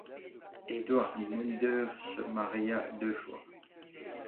Edward Maunder se maria deux fois.